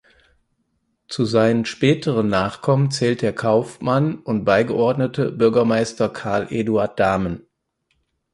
Zu seinen späteren Nachkommen zählt der Kaufmann und Beigeordnete Bürgermeister Carl Eduard Dahmen.